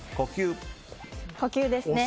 呼吸ですね。